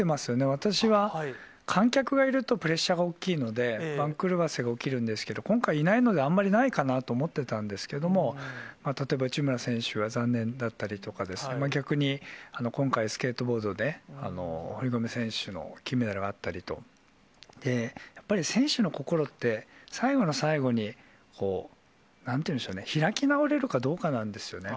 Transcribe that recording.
私は観客がいるとプレッシャーが大きいので、番狂わせが起きるんですけど、今回、いないのであんまりないかなと思ってたんですけども、例えば、内村選手が残念だったりとか、逆に今回、スケートボードで堀米選手の金メダルがあったりと、やっぱり選手の心って、最後の最後にこう、なんていうんでしょうね、開き直れるかどうかなんですよね。